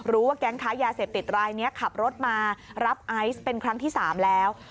แก๊งค้ายาเสพติดรายนี้ขับรถมารับไอซ์เป็นครั้งที่๓แล้ว